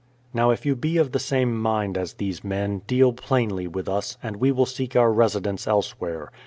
Now if you be of the same mind as these men, deal plainly with us, and we will seek our residence elsewhere.